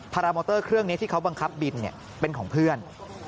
รามอเตอร์เครื่องนี้ที่เขาบังคับบินเป็นของเพื่อน